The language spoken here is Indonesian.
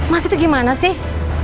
mas itu gimana sih